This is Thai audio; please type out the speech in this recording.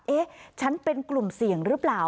เอ๊ะฉันเป็นกลุ่มเสี่ยงหรือเปล่า